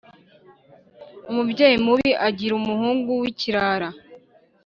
umubyeyi mubi agira umuhungu w'ikirara.